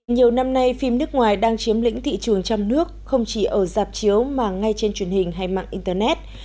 nhiều năm nay phim nước ngoài đang chiếm lĩnh thị trường trong nước không chỉ ở dạp chiếu mà ngay trên truyền hình hay mạng internet